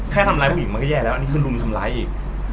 ทำร้ายผู้หญิงมันก็แย่แล้วอันนี้คือรุมทำร้ายอีก